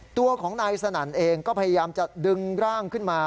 ตัวของนายสนั่นเองก็พยายามจะดึงร่างขึ้นมา